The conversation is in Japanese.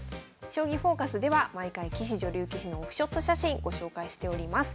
「将棋フォーカス」では毎回棋士・女流棋士のオフショット写真ご紹介しております。